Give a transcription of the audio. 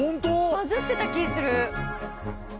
バズってた気する。